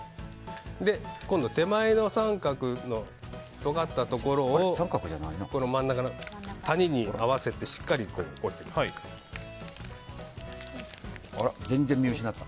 今度は手前の三角のとがったところを真ん中の谷に合わせてしっかり折っていく。